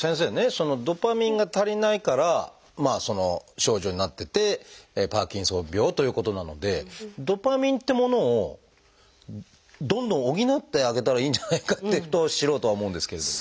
そのドパミンが足りないからその症状になっててパーキンソン病ということなのでドパミンってものをどんどん補ってあげたらいいんじゃないかってふと素人は思うんですけれども。